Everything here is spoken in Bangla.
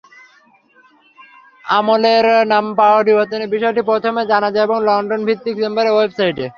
অমলের নাম পরিবর্তনের বিষয়টি প্রথম জানা যায় তাঁর লন্ডনভিত্তিক চেম্বারের ওয়েবসাইটে।